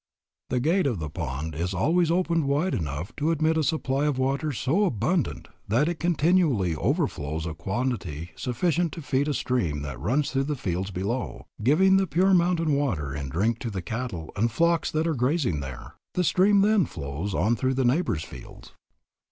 The gate of the pond is always open wide enough to admit a supply of water so abundant that it continually overflows a quantity sufficient to feed a stream that runs through the fields below, giving the pure mountain water in drink to the cattle and flocks that are grazing there. The stream then flows on through the neighbors' fields.